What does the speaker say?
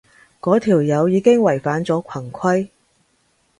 嗰條友已經違反咗群規